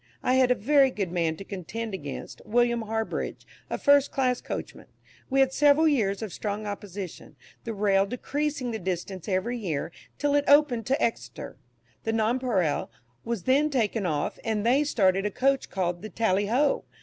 I had a very good man to contend against William Harbridge, a first class coachman. We had several years of strong opposition, the rail decreasing the distance every year, till it opened to Exeter. The "Nonpareil" was then taken off, and they started a coach called the "Tally Ho!"